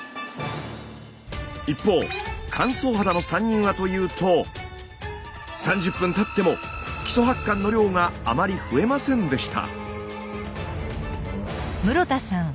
一方乾燥肌の３人はというと３０分たっても基礎発汗の量があまり増えませんでした。